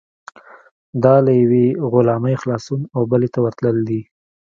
دا له یوې غلامۍ خلاصون او بلې ته ورتلل دي.